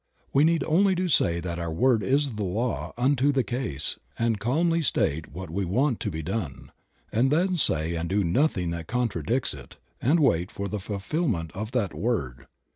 We need only to say that our word is the law unto the case and calmly state what we want to be done, and then say and do nothing that contradicts it and wait for the fulfillment of that word.